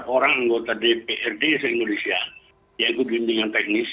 seribu delapan ratus enam puluh empat orang anggota dprd se indonesia yang ikut pimpinan teknis